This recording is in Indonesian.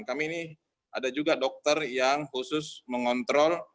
kami ini ada juga dokter yang khusus mengontrol